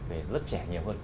về lớp trẻ nhiều hơn